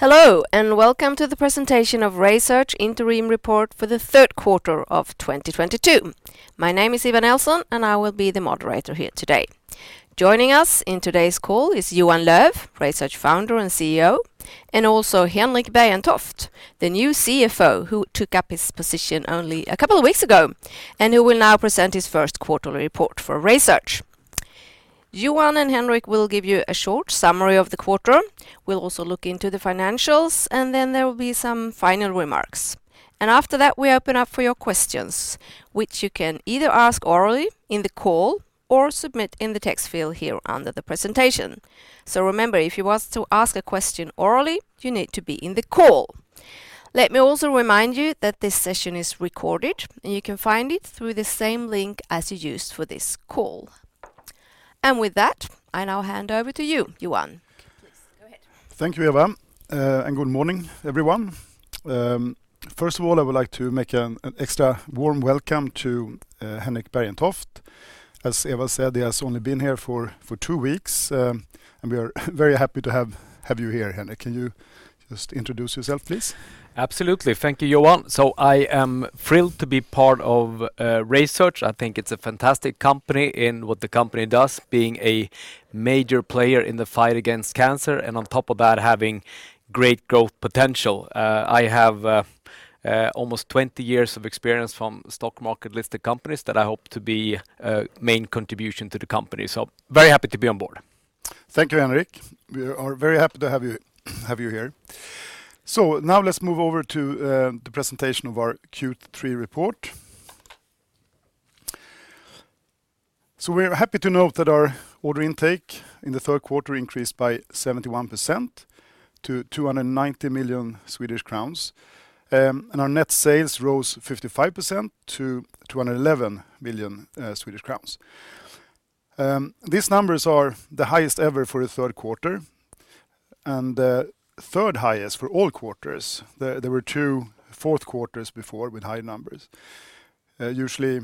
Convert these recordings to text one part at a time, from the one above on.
Hello, and welcome to the presentation of RaySearch interim report for the third quarter of 2022. My name is Eva Nelson, and I will be the moderator here today. Joining us in today's call is Johan Löf, RaySearch Founder and CEO, and also Henrik Bergentoft, the new CFO, who took up his position only a couple of weeks ago, and who will now present his first quarterly report for RaySearch. Johan and Henrik will give you a short summary of the quarter. We'll also look into the financials, and then there will be some final remarks. After that, we open up for your questions, which you can either ask orally in the call or submit in the text field here under the presentation. Remember, if you want to ask a question orally, you need to be in the call. Let me also remind you that this session is recorded, and you can find it through the same link as you used for this call. With that, I now hand over to you, Johan. Please, go ahead. Thank you, Eva. Good morning, everyone. First of all, I would like to make an extra warm welcome to Henrik Bergentoft. As Eva said, he has only been here for two weeks. We are very happy to have you here, Henrik. Can you just introduce yourself, please? Absolutely. Thank you, Johan. I am thrilled to be part of RaySearch. I think it's a fantastic company in what the company does, being a major player in the fight against cancer, and on top of that, having great growth potential. I have almost 20 years of experience from stock market-listed companies that I hope to be a main contribution to the company. Very happy to be on board. Thank you, Henrik. We are very happy to have you here. Now let's move over to the presentation of our Q3 report. We're happy to note that our order intake in the third quarter increased by 71% to 290 million Swedish crowns. Our net sales rose 55% to 211 million Swedish crowns. These numbers are the highest ever for the third quarter and the third-highest for all quarters. There were two fourth quarters before with high numbers. Usually,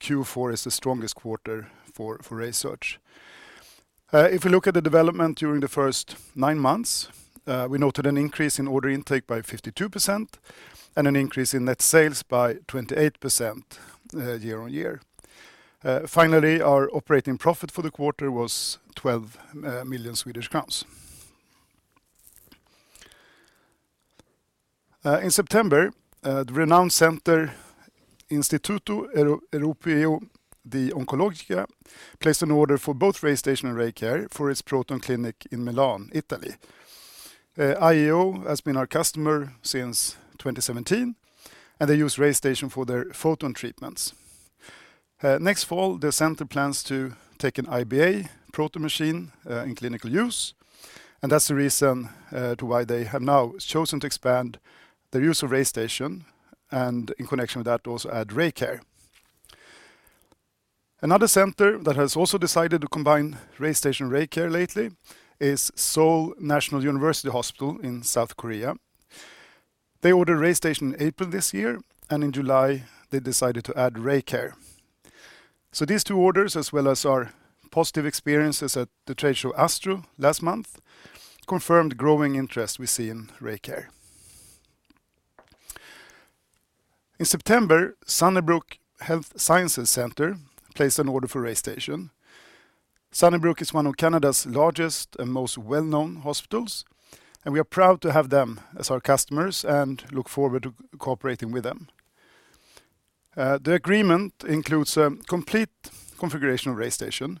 Q4 is the strongest quarter for RaySearch. If you look at the development during the first nine months, we noted an increase in order intake by 52% and an increase in net sales by 28% year-on-year. Finally, our operating profit for the quarter was 12 million Swedish crowns. In September, the renowned center, Istituto Europeo di Oncologia placed an order for both RayStation and RayCare for its proton clinic in Milan, Italy. IEO has been our customer since 2017, and they use RayStation for their photon treatments. Next fall, the center plans to take an IBA proton machine in clinical use, and that's the reason to why they have now chosen to expand their use of RayStation and in connection with that, also add RayCare. Another center that has also decided to combine RayStation and RayCare lately is Seoul National University Hospital in South Korea. They ordered RayStation in April this year, and in July, they decided to add RayCare. These two orders, as well as our positive experiences at the trade show ASTRO last month, confirmed growing interest we see in RayCare. In September, Sunnybrook Health Sciences Centre placed an order for RayStation. Sunnybrook is one of Canada's largest and most well-known hospitals, and we are proud to have them as our customers and look forward to cooperating with them. The agreement includes a complete configuration of RayStation,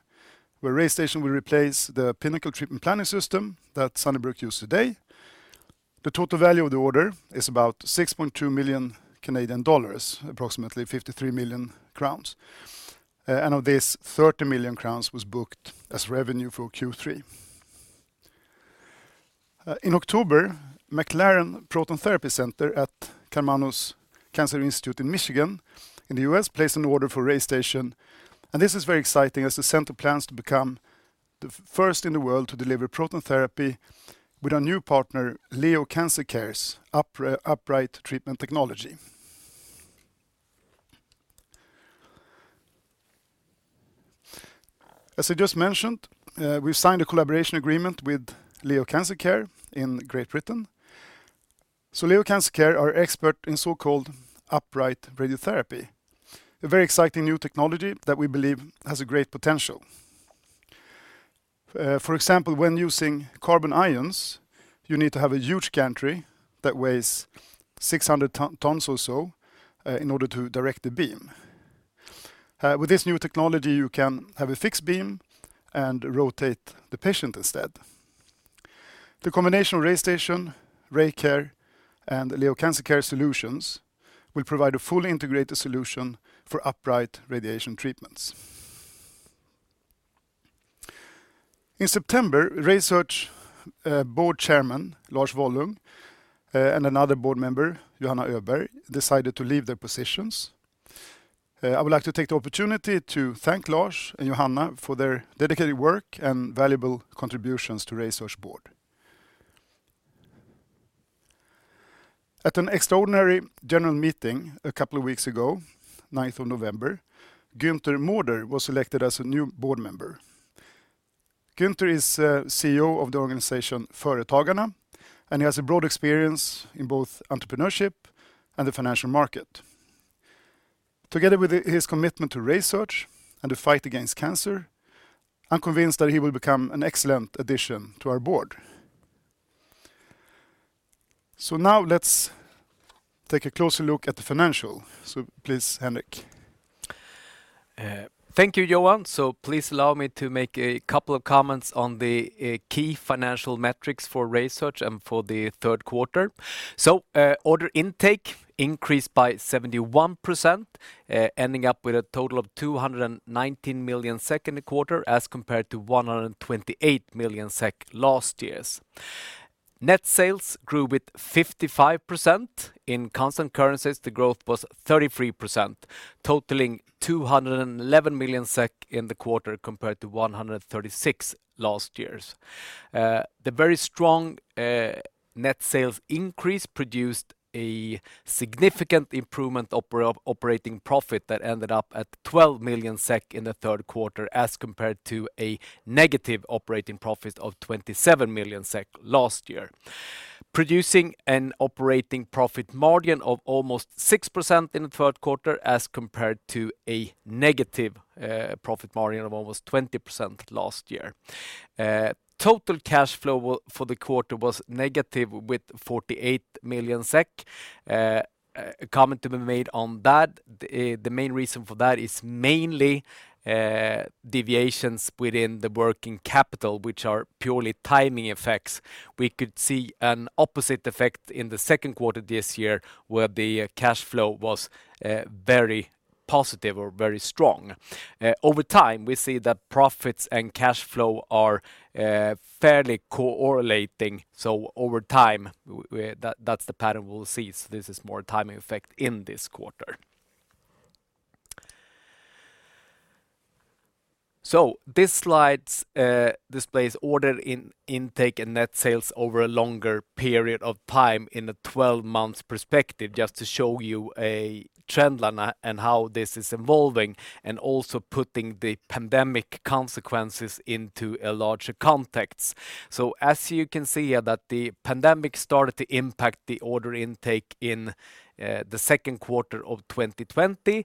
where RayStation will replace the Pinnacle treatment planning system that Sunnybrook use today. The total value of the order is about 6.2 million Canadian dollars, approximately 53 million crowns. And of this, 30 million crowns was booked as revenue for Q3. In October, McLaren Proton Therapy Center at Karmanos Cancer Institute in Michigan in the U.S. placed an order for RayStation. This is very exciting as the center plans to become the first in the world to deliver proton therapy with our new partner, Leo Cancer Care's upright treatment technology. As I just mentioned, we've signed a collaboration agreement with Leo Cancer Care in Great Britain. Leo Cancer Care are expert in so-called upright radiotherapy, a very exciting new technology that we believe has a great potential. For example, when using carbon ions, you need to have a huge gantry that weighs 600 tons or so in order to direct the beam. With this new technology, you can have a fixed beam and rotate the patient instead. The combination of RayStation, RayCare, and Leo Cancer Care solutions will provide a fully integrated solution for upright radiation treatments. In September, RaySearch Board Chairman, Lars Wollung, and another Board Member, Johanna Öberg, decided to leave their positions. I would like to take the opportunity to thank Lars and Johanna for their dedicated work and valuable contributions to RaySearch board. At an extraordinary general meeting a couple of weeks ago, 9th of November, Günther Mårder was elected as a new Board Member. Günther is CEO of the organization Företagarna, and he has a broad experience in both entrepreneurship and the financial market. Together with his commitment to RaySearch and the fight against cancer, I'm convinced that he will become an excellent addition to our board. Now let's take a closer look at the financial. Please, Henrik. Thank you, Johan. Please allow me to make a couple of comments on the key financial metrics for RaySearch and for the third quarter. Order intake increased by 71%, ending up with a total of 219 million SEK in the quarter as compared to 128 million SEK last year's. Net sales grew with 55%. In constant currencies, the growth was 33%, totaling 211 million SEK in the quarter compared to 136 million last year's. The very strong net sales increase produced a significant improvement operating profit that ended up at 12 million SEK in the third quarter, as compared to a negative operating profit of 27 million SEK last year. Producing an operating profit margin of almost 6% in the third quarter, as compared to a negative profit margin of almost 20% last year. Total cash flow for the quarter was negative with 48 million SEK. A comment to be made on that, the main reason for that is mainly deviations within the working capital, which are purely timing effects. We could see an opposite effect in the second quarter this year, where the cash flow was very positive or very strong. Over time, we see that profits and cash flow are fairly correlating. Over time, that's the pattern we'll see. This is more timing effect in this quarter. This slide displays order in-intake and net sales over a longer period of time in a 12-month perspective, just to show you a trend line and how this is evolving, and also putting the pandemic consequences into a larger context. As you can see here that the pandemic started to impact the order intake in the second quarter of 2020,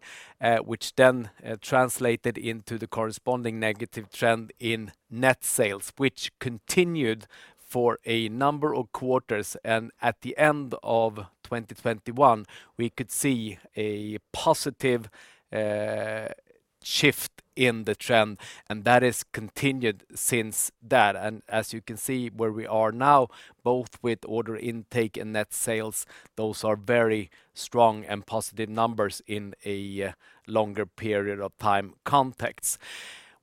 which then translated into the corresponding negative trend in net sales, which continued for a number of quarters. At the end of 2021, we could see a positive shift in the trend, and that has continued since that. As you can see where we are now, both with order intake and net sales, those are very strong and positive numbers in a longer period of time context.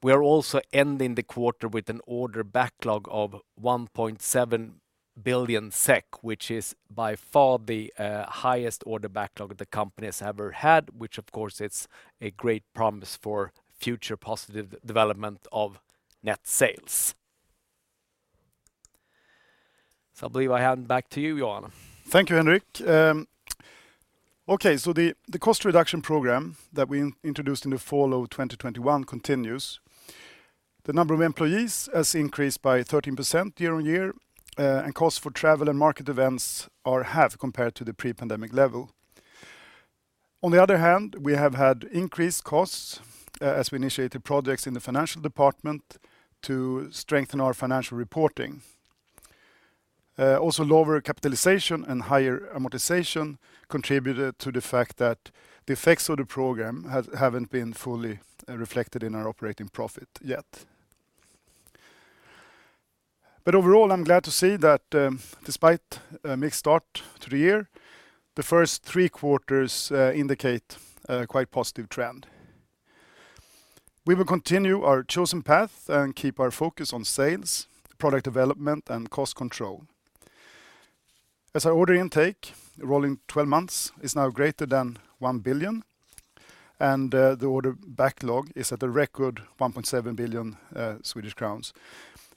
We are also ending the quarter with an order backlog of 1.7 billion SEK, which is by far the highest order backlog the company has ever had, which of course is a great promise for future positive development of net sales. I believe I hand back to you, Johan. Thank you, Henrik. The cost reduction program that we introduced in the fall of 2021 continues. The number of employees has increased by 13% year-on-year, and costs for travel and market events are half compared to the pre-pandemic level. On the other hand, we have had increased costs as we initiated projects in the financial department to strengthen our financial reporting. Also lower capitalization and higher amortization contributed to the fact that the effects of the program haven't been fully reflected in our operating profit yet. Overall, I'm glad to see that despite a mixed start to the year, the first three quarters indicate a quite positive trend. We will continue our chosen path and keep our focus on sales, product development, and cost control. As our order intake, rolling 12 months, is now greater than 1 billion, and the order backlog is at a record 1.7 billion Swedish crowns.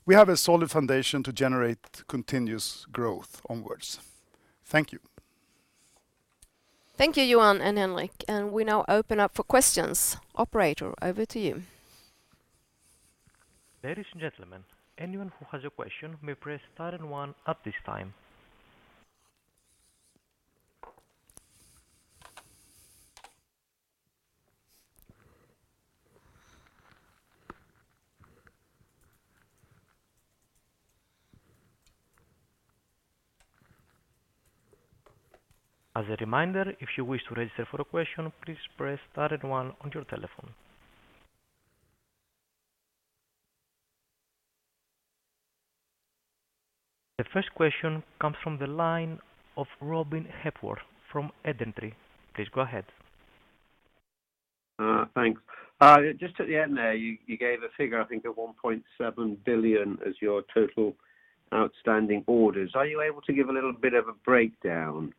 We have a solid foundation to generate continuous growth onwards. Thank you. Thank you, Johan and Henrik, and we now open up for questions. Operator, over to you. Ladies and gentlemen, anyone who has a question may press star and one at this time. As a reminder, if you wish to register for a question, please press star and one on your telephone. The first question comes from the line of Robin Hepworth from Edentree. Please go ahead. Thanks. Just at the end there, you gave a figure, I think of 1.7 billion as your total outstanding orders. Are you able to give a little bit of a breakdown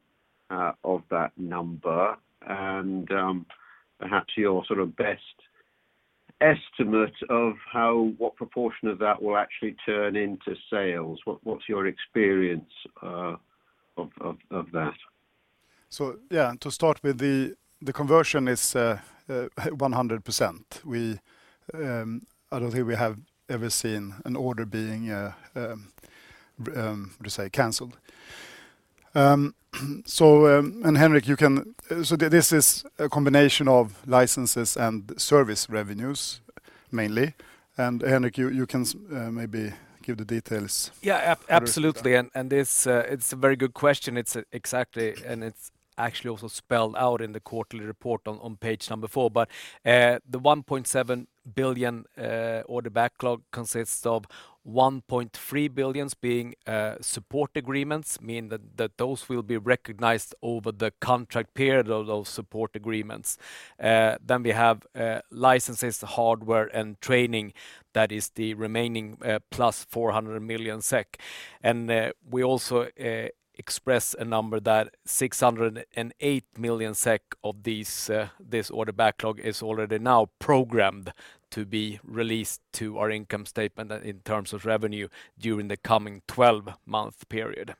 of that number and, perhaps your sort of best? Estimate of what proportion of that will actually turn into sales. What's your experience of that? Yeah, to start with the conversion is 100%. We, I don't think we have ever seen an order being to say canceled. Henrik, you can. This is a combination of licenses and service revenues mainly. Henrik, you can maybe give the details. Yeah. Absolutely. This, it's a very good question. It's exactly, and it's actually also spelled out in the quarterly report on page number 4. The 1.7 billion order backlog consists of 1.3 billion being support agreements, mean that those will be recognized over the contract period of those support agreements. We have licenses, hardware, and training that is the remaining plus 400 million SEK. We also express a number that 608 million SEK of this order backlog is already now programmed to be released to our income statement in terms of revenue during the coming 12-month period.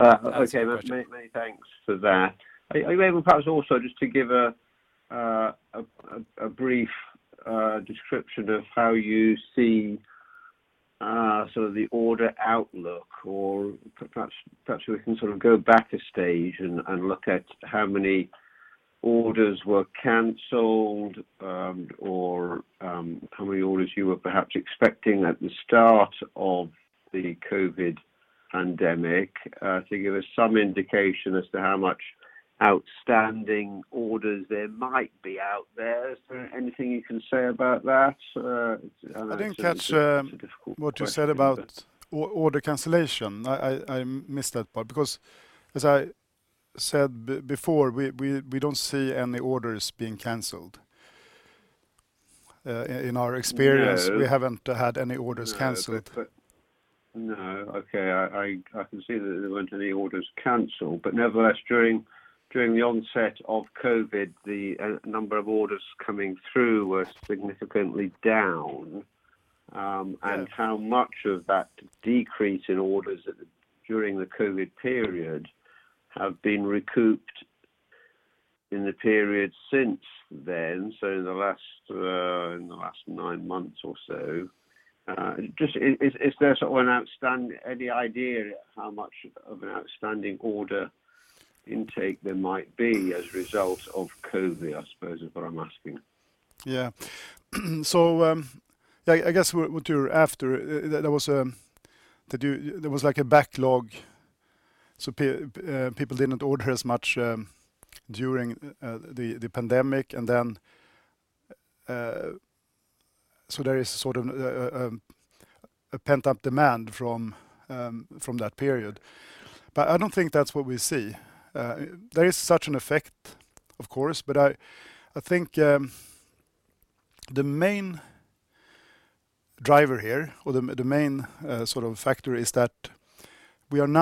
Okay. Many thanks for that. Are you able perhaps also just to give a brief description of how you see sort of the order outlook or perhaps we can sort of go back a stage and look at how many orders were canceled or how many orders you were perhaps expecting at the start of the COVID pandemic to give us some indication as to how much outstanding orders there might be out there. Is there anything you can say about that? I know that's a difficult question. I didn't catch what you said about order cancellation. I missed that part because as I said before, we don't see any orders being canceled. In our experience. Yeah. We haven't had any orders canceled. No. Okay. I can see that there weren't any orders canceled, nevertheless, during the onset of COVID, the number of orders coming through were significantly down. Yes. How much of that decrease in orders during the COVID period have been recouped in the period since then, so in the last, in the last 9 months or so? Just is there sort of any idea how much of an outstanding order intake there might be as a result of COVID, I suppose is what I'm asking? Yeah. I guess what you're after, there was like a backlog, so people didn't order as much during the pandemic and then there is sort of a pent-up demand from that period. I don't think that's what we see. There is such an effect, of course, but I think the main driver here or the main sort of factor is that We're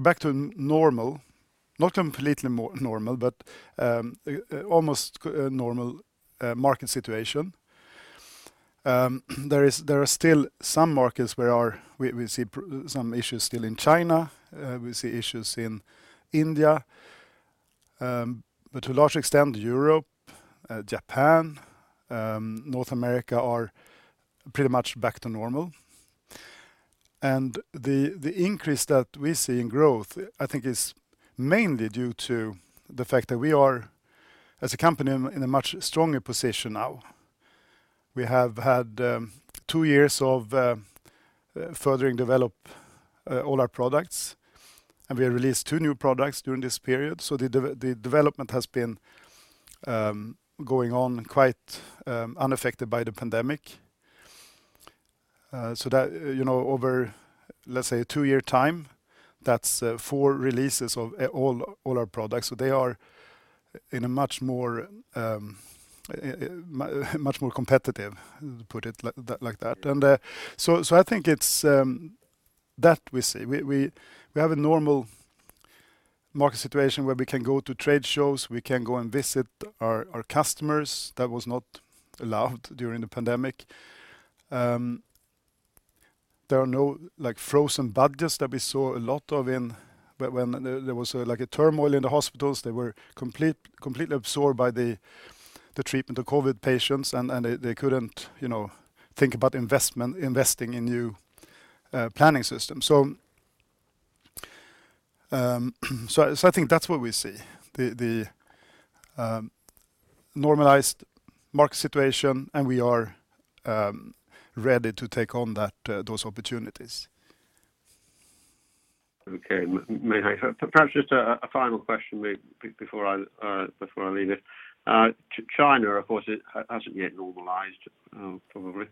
back to normal, not completely normal, but almost normal market situation. There are still some markets where we see some issues still in China. We see issues in India. To large extent, Europe, Japan, North America are pretty much back to normal. The increase that we see in growth, I think, is mainly due to the fact that we are, as a company, in a much stronger position now. We have had 2-years of furthering develop all our products, and we have released 2 new products during this period. The development has been going on quite unaffected by the pandemic. You know, over, let's say, a 2-year time, that's 4 releases of all our products. They are in a much more competitive, put it like that. I think it's that we see. We have a normal market situation where we can go to trade shows, we can go and visit our customers. That was not allowed during the pandemic. There are no, like, frozen budgets that we saw a lot of. When there was, like, a turmoil in the hospitals, they were completely absorbed by the treatment of COVID patients, and they couldn't, you know, think about investment, investing in new planning systems. I think that's what we see, the normalized market situation, and we are ready to take on those opportunities. Okay. May I perhaps just a final question before I leave this? To China, of course, it hasn't yet normalized, probably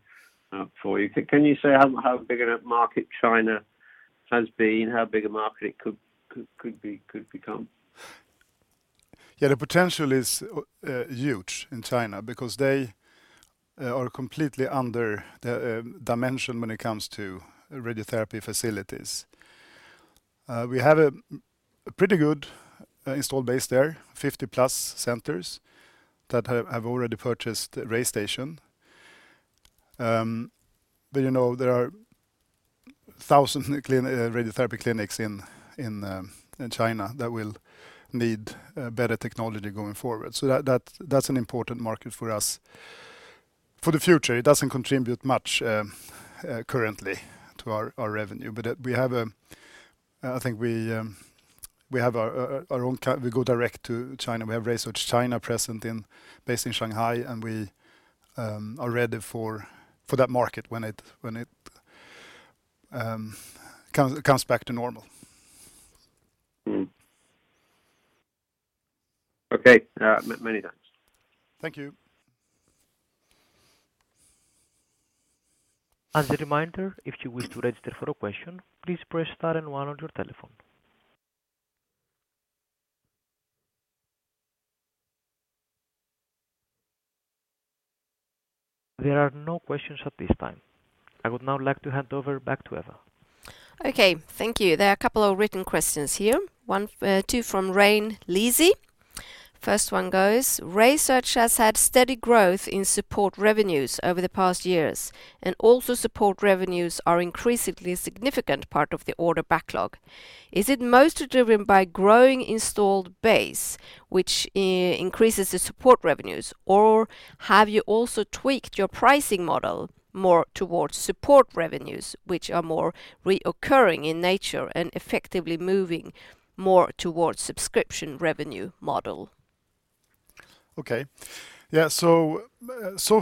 for you. Can you say how big a market China has been? How big a market it could be, could become? Yeah. The potential is huge in China because they are completely under the dimension when it comes to radiotherapy facilities. We have a pretty good install base there, 50+ centers that have already purchased RayStation. You know, there are thousands radiotherapy clinics in China that will need better technology going forward. That's an important market for us for the future. It doesn't contribute much currently to our revenue. We have, I think we have our own we go direct to China. We have RaySearch China present, based in Shanghai, and we are ready for that market when it comes back to normal. Mm. Okay. Many thanks. Thank you. As a reminder, if you wish to register for a question, please press star and one on your telephone. There are no questions at this time. I would now like to hand over back to Eva. Okay. Thank you. There are a couple of written questions here. One, two from Ray Leezy. First one goes, "RaySearch has had steady growth in support revenues over the past years. Also support revenues are increasingly a significant part of the order backlog. Is it most driven by growing installed base which increases the support revenues, or have you also tweaked your pricing model more towards support revenues which are more recurring in nature and effectively moving more towards subscription revenue model? Okay. Yeah, so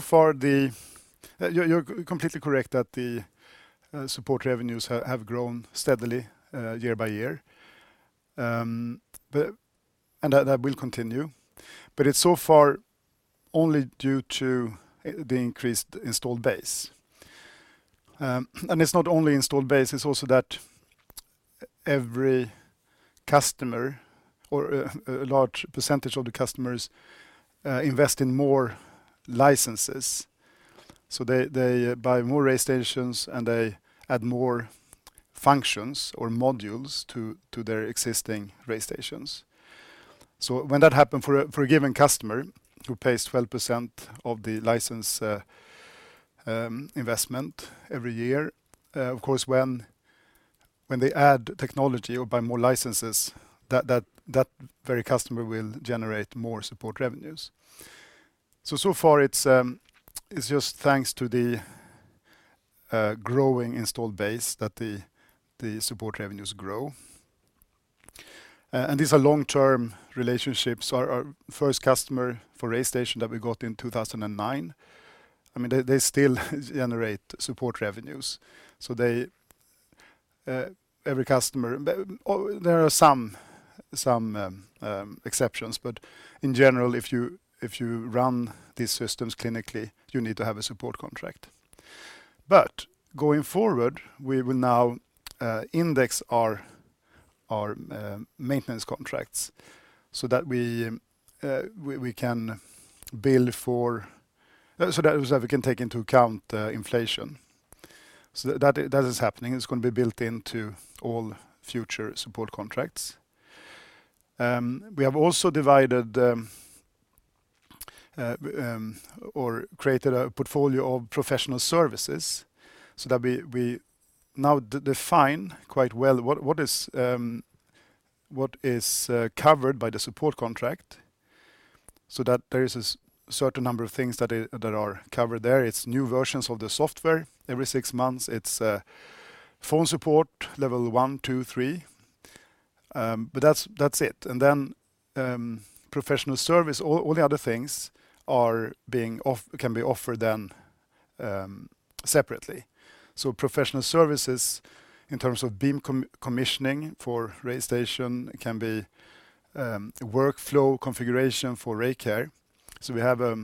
far you're completely correct that the support revenues have grown steadily year by year. That will continue. It's so far only due to the increased installed base. It's not only installed base, it's also that every customer or a large percentage of the customers invest in more licenses. They buy more RayStations and they add more functions or modules to their existing RayStations. When that happen for a given customer who pays 12% of the license investment every year, of course, when they add technology or buy more licenses, that very customer will generate more support revenues. So far it's just thanks to the growing installed base that the support revenues grow. These are long-term relationships. Our first customer for RayStation that we got in 2009, I mean, they still generate support revenues. They every customer Or there are some exceptions. In general, if you run these systems clinically, you need to have a support contract. Going forward, we will now index our maintenance contracts so that we can bill for... so that is that we can take into account inflation. That is happening. It's gonna be built into all future support contracts. We have also divided or created a portfolio of professional services so that we now define quite well what is covered by the support contract so that there is a certain number of things that they, that are covered there. It's new versions of the software every 6 months. It's phone support level 1, 2, 3. But that's it. Professional service, all the other things can be offered then separately. Professional services in terms of beam commissioning for RayStation can be workflow configuration for RayCare. We have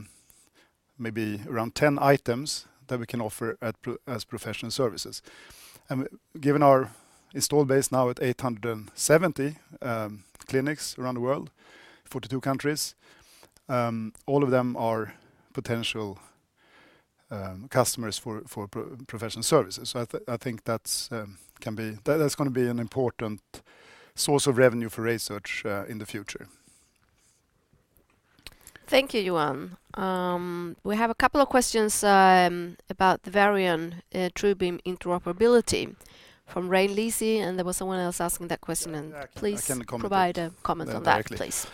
maybe around 10 items that we can offer as professional services. Given our install base now at 870 clinics around the world, 42 countries, all of them are potential customers for professional services. I think that's gonna be an important source of revenue for RaySearch in the future. Thank you, Johan. We have a couple of questions about the Varian TrueBeam interoperability from Ray Leezy, and there was someone else asking that question. Yeah. I can comment on that. Please provide a comment on that, please....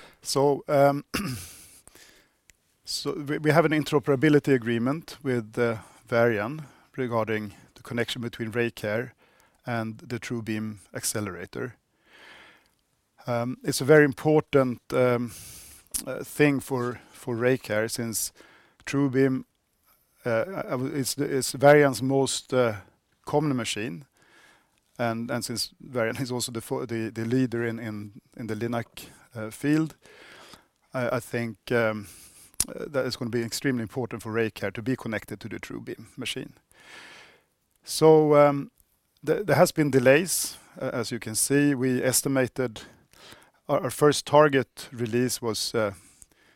directly. We have an interoperability agreement with Varian regarding the connection between RayCare and the TrueBeam accelerator. It's a very important thing for RayCare since TrueBeam, it's the, it's Varian's most common machine, and since Varian is also the leader in the LINAC field, I think that is gonna be extremely important for RayCare to be connected to the TrueBeam machine. There has been delays. As you can see, we estimated our first target release was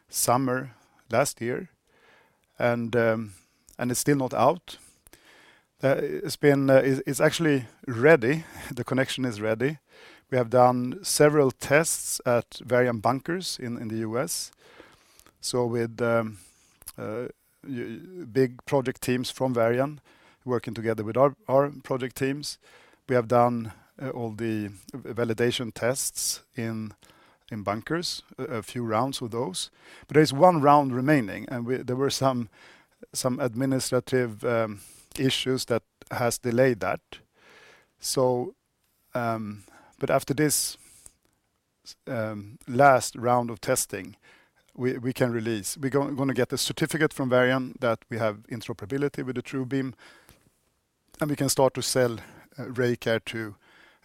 summer last year. It's still not out. It's actually ready. The connection is ready. We have done several tests at Varian bunkers in the U.S. With big project teams from Varian working together with our project teams, we have done all the validation tests in bunkers, a few rounds with those. There's one round remaining, and there were some administrative issues that has delayed that. After this last round of testing, we can release. We gonna get the certificate from Varian that we have interoperability with the TrueBeam, and we can start to sell RayCare to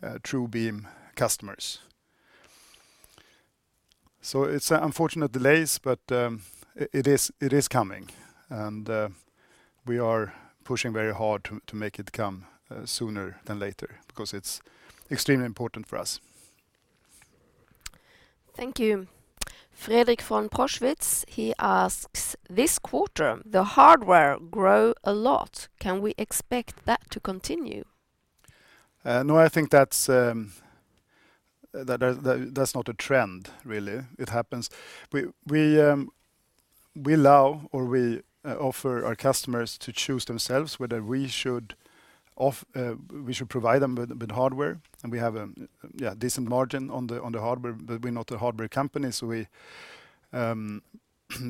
TrueBeam customers. It's unfortunate delays, but it is coming, and we are pushing very hard to make it come sooner than later because it's extremely important for us. Thank you. Fredrik von Platen, he asks: This quarter, the hardware grow a lot. Can we expect that to continue? No, I think that's not a trend really. It happens. We allow or we offer our customers to choose themselves whether we should provide them with hardware, and we have a, yeah, decent margin on the hardware. We're not a hardware company, so we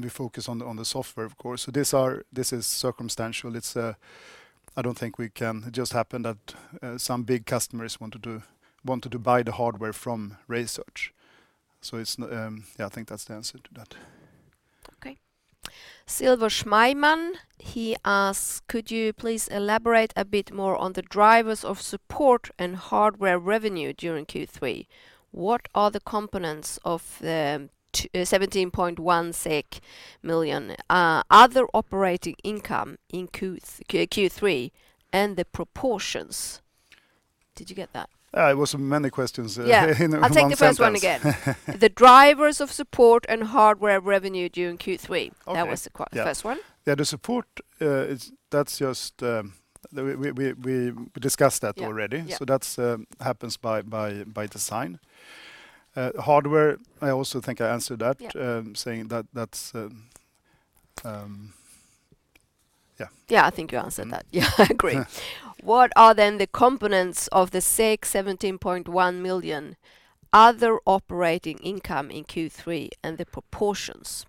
focus on the software, of course. This is circumstantial. It's, it just happened that some big customers wanted to buy the hardware from RaySearch. It's, yeah, I think that's the answer to that. Okay. Silvo Schmeil, he asks: Could you please elaborate a bit more on the drivers of support and hardware revenue during Q3? What are the components of the 17.1 SEK million other operating income in Q3, and the proportions? Did you get that? It was many questions, in one sentence. Yeah. I'll take the first one again. The drivers of support and hardware revenue during Q3. Okay. That was the first one. Yeah. The support, that's just, We discussed that already. Yeah, yeah. That's happens by design. Hardware, I also think I answered that. Yeah ...saying that that's, yeah. Yeah, I think you answered that. Yeah, I agree. What are the components of the 17.1 million other operating income in Q3 and the proportions?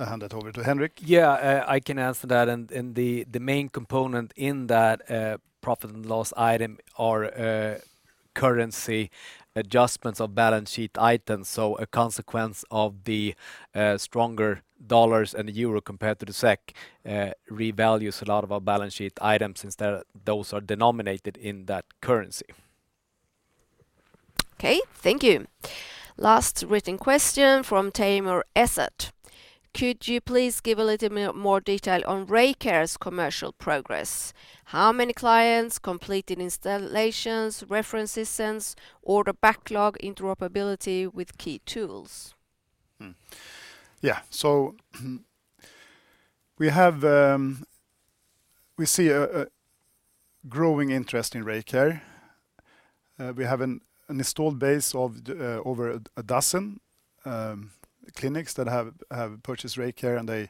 I hand that over to Henrik. I can answer that. The main component in that profit and loss item are currency adjustments of balance sheet items. A consequence of the stronger dollars and the euro compared to the SEK revalues a lot of our balance sheet items since those are denominated in that currency. Okay. Thank you. Last written question from Tamer Essat. Could you please give a little more detail on RayCare's commercial progress? How many clients, completed installations, reference systems, order backlog, interoperability with key tools? Yeah. We see a growing interest in RayCare. We have an installed base of over a dozen clinics that have purchased RayCare, and they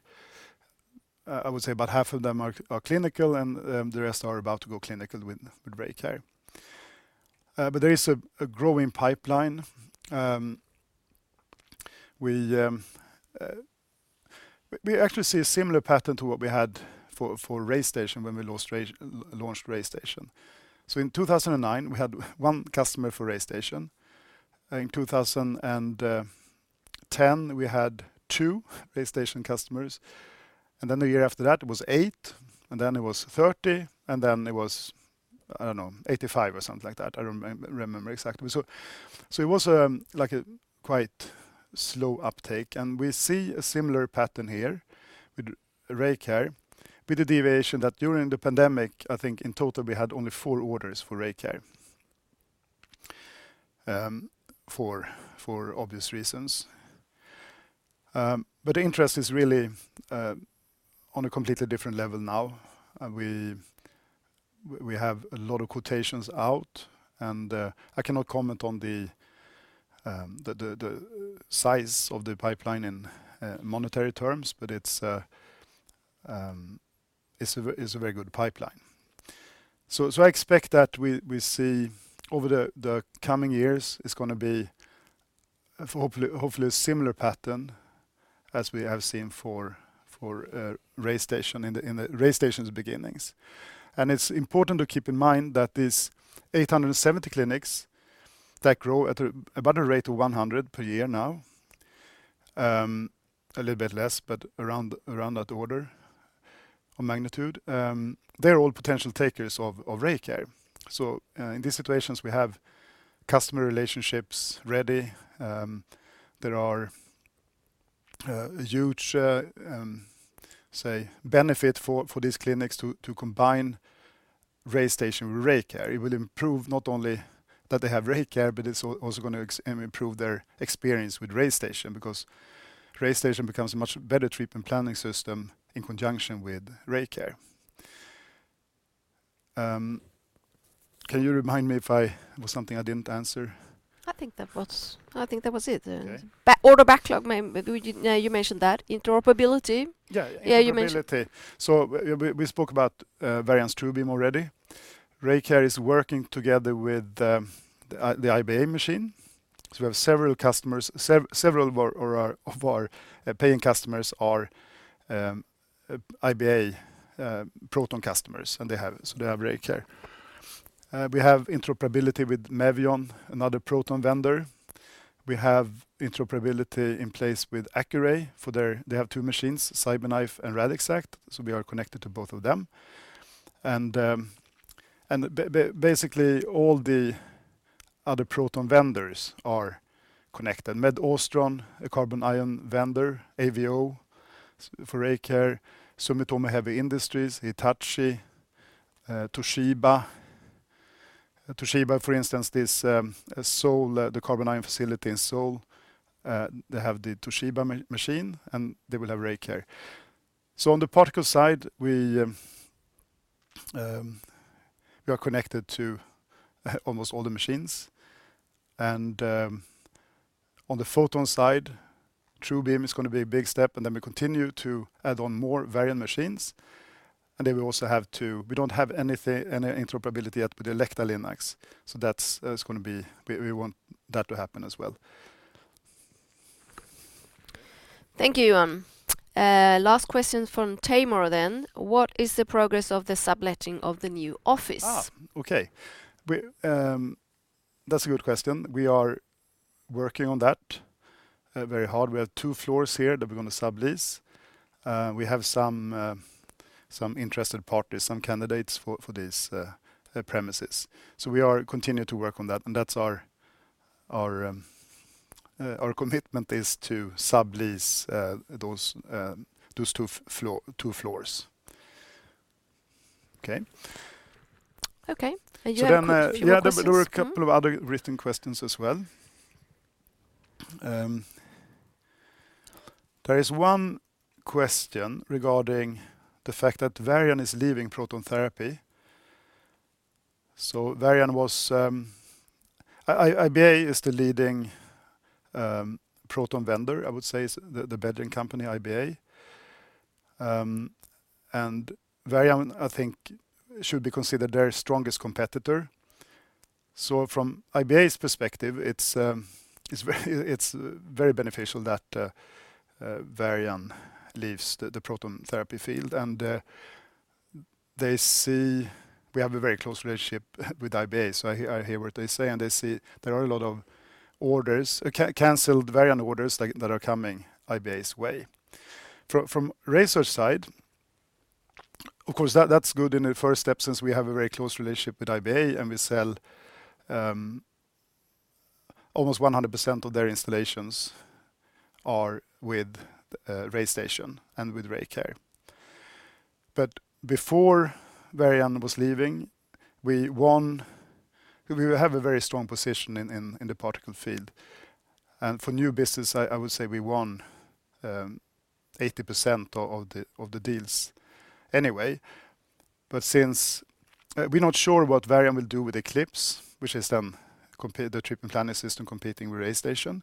I would say about half of them are clinical and the rest are about to go clinical with RayCare. There is a growing pipeline. We actually see a similar pattern to what we had for RayStation when we launched RayStation. In 2009, we had 1 customer for RayStation. In 2010, we had 2 RayStation customers, and then the year after that it was 8, and then it was 30, and then it was, I don't know, 85 or something like that. I don't remember exactly. It was like a quite slow uptake. We see a similar pattern here with RayCare, with the deviation that during the pandemic, I think in total we had only 4 orders for RayCare, for obvious reasons. Interest is really on a completely different level now. We have a lot of quotations out. I cannot comment on the size of the pipeline in monetary terms. It's a very good pipeline. I expect that we see over the coming years, it's gonna be for hopefully a similar pattern as we have seen for RayStation in the RayStation's beginnings. It's important to keep in mind that these 870 clinics that grow about a rate of 100 per year now, a little bit less, but around that order of magnitude, they're all potential takers of RayCare. In these situations, we have customer relationships ready. There are a huge benefit for these clinics to combine RayStation with RayCare. It will improve not only that they have RayCare, but it's also gonna improve their experience with RayStation because RayStation becomes a much better treatment planning system in conjunction with RayCare. Can you remind me if I was something I didn't answer? I think that was it, yeah. Okay. order backlog, you mentioned that. Interoperability. Yeah, interoperability. Yeah, you. We spoke about Varian's TrueBeam already. RayCare is working together with the IBA machine. We have several of our paying customers are IBA proton customers, and they have RayCare. We have interoperability with Mevion, another proton vendor. We have interoperability in place with Accuray. They have two machines, CyberKnife and Radixact, so we are connected to both of them. Basically all the other proton vendors are connected. MedAustron, a carbon ion vendor, AVO for RayCare, Sumitomo Heavy Industries, Hitachi, Toshiba. Toshiba, for instance, this Seoul, the carbon ion facility in Seoul, they have the Toshiba machine, and they will have RayCare. On the particle side, we are connected to almost all the machines. On the photon side, TrueBeam is going to be a big step, and then we continue to add on more Varian machines. Then we don't have any interoperability yet with Elekta LINACs, so that's going to be. We want that to happen as well. Thank you, Johan. Last question from Timor. What is the progress of the subletting of the new office? Okay. That's a good question. We are working on that very hard. We have 2 floors here that we're gonna sublease. We have some interested parties, some candidates for these premises. We are continuing to work on that, and that's our commitment is to sublease those 2 floors. Okay. Okay. You have a. So then, uh- You have a few more questions, mm-hmm. Yeah, there were a couple of other written questions as well. There is one question regarding the fact that Varian is leaving proton therapy. IBA is the leading proton vendor, I would say is the bedding company, IBA. Varian, I think, should be considered their strongest competitor. From IBA's perspective, it's very beneficial that Varian leaves the proton therapy field. They see we have a very close relationship with IBA, so I hear what they say, and they see there are a lot of orders, canceled Varian orders that are coming IBA's way. From RaySearch's side, of course, that's good in the first step since we have a very close relationship with IBA, we sell almost 100% of their installations are with RayStation and with RayCare. Before Varian was leaving, we would have a very strong position in the particle field. For new business, I would say we won 80% of the deals anyway. Since we're not sure what Varian will do with Eclipse, which has then the treatment planning system competing with RayStation.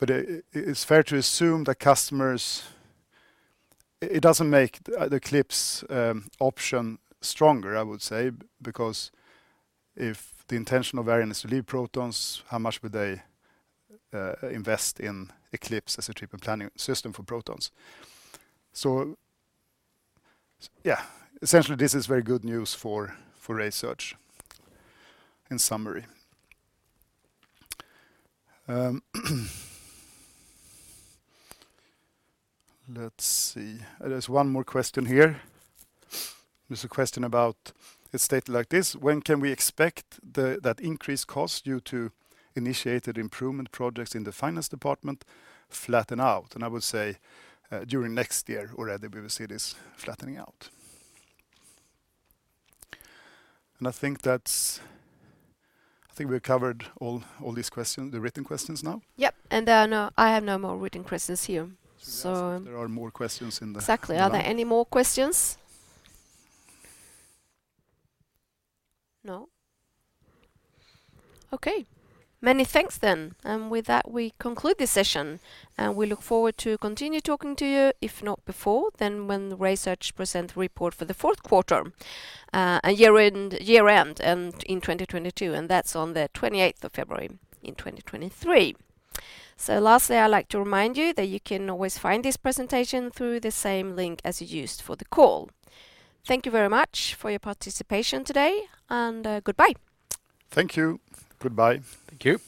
It's fair to assume that customers. It doesn't make the Eclipse option stronger, I would say, because if the intention of Varian is to leave protons, how much would they invest in Eclipse as a treatment planning system for protons? Yeah, essentially this is very good news for RaySearch in summary. Let's see. There's one more question here. There's a question about. It's stated like this: When can we expect that increased cost due to initiated improvement projects in the finance department flatten out? I would say, during next year already we will see this flattening out. I think we've covered all these questions, the written questions now. Yep, I have no more written questions here. Should we ask if there are more questions? Exactly room? Are there any more questions? No? Okay. Many thanks then. With that, we conclude this session, and we look forward to continue talking to you, if not before, then when RaySearch presents the report for the fourth quarter, and year end in 2022, and that's on the 28th of February in 2023. Lastly, I'd like to remind you that you can always find this presentation through the same link as you used for the call. Thank you very much for your participation today, and goodbye. Thank you. Goodbye. Thank you.